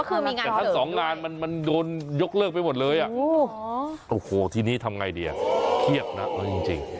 ก็คือมีงานเหลือด้วยแต่ถ้าสองงานมันมันโดนยกเลิกไปหมดเลยอ่ะโอ้โหทีนี้ทำไงดีอ่ะเครียบนะเอ้ยจริง